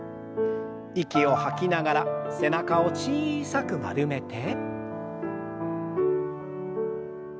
息を吐きながら背中を小さく丸めて。